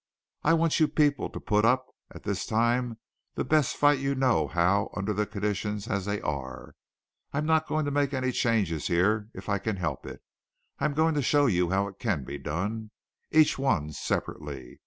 I want you people to put up, at this time, the best fight you know how under the conditions as they are. I'm not going to make any changes here if I can help it. I'm going to show you how it can be done each one separately.